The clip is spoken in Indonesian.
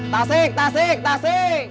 tasik tasik tasik